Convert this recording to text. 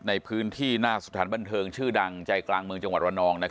ในพื้นที่หน้าสถานบันเทิงชื่อดังใจกลางเมืองจังหวัดระนอง